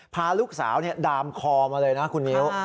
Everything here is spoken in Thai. พาลูกสาวดามคอมาเลยนะคุณมิ้ว